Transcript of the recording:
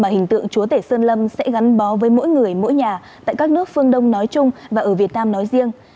hình tượng chúa tể sơn lâm sẽ gắn bó với mỗi người mỗi nhà tại các nước phương đông nói chung và ở việt nam nói riêng